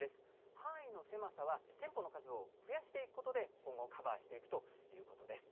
範囲の狭さは、店舗の数を増やしていくことで、今後、カバーしていくということです。